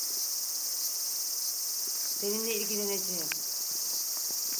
Seninle ilgileneceğim.